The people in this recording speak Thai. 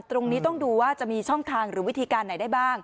ตรงนี้ต้องดูว่าจะมีช่องทางหรือวิธีการไหนได้บ้าง